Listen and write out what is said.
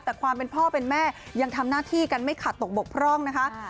แต่ความเป็นพ่อเป็นแม่ยังทำหน้าที่กันไม่ขาดตกบกพร่องนะคะ